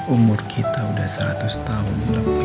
umur kita sudah seratus tahun lebih